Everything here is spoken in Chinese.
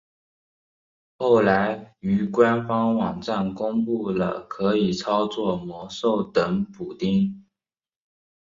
后来于官方网站公布了可以操作魔兽等补丁。